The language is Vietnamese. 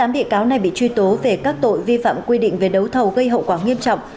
tám bị cáo này bị truy tố về các tội vi phạm quy định về đấu thầu gây hậu quả nghiêm trọng